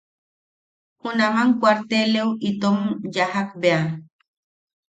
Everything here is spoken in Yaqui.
Junaman kuarteleu, itom yajak bea...